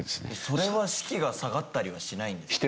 それは士気が下がったりはしないんですか？